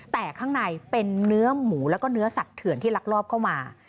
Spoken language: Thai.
แต่ข้างในเป็นเนื้อหมูแล้วก็เนื้อสัตว์เถื่อนที่ลักลอบเข้ามา